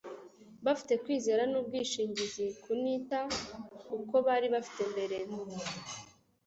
bafite kwizera n'ubwishingizi kunita uko bari bafite mbere hose.